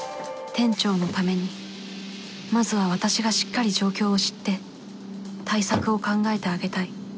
店長のためにまずは私がしっかり状況を知って対策を考えてあげたい